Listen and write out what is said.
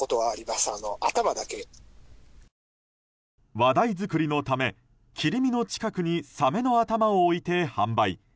話題作りのため切り身の近くにサメの頭を置いて販売。